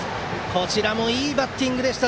こちらもいいバッティングでした！